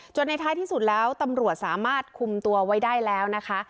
ในท้ายที่สุดแล้วตำรวจสามารถคุมตัวไว้ได้แล้วนะคะ